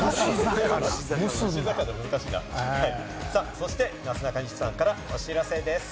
そして、なすなかにしさんからお知らせです。